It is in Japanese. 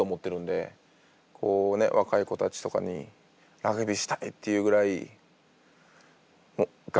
若い子たちとかにラグビーしたいっていうぐらい額